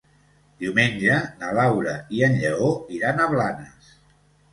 Diumenge na Laura i en Lleó iran a Blanes.